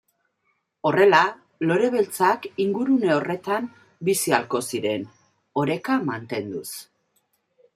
Horrela, lore beltzak ingurune horretan bizi ahalko ziren, oreka mantenduz.